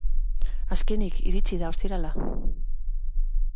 Azkenik, iritsi da ostirala!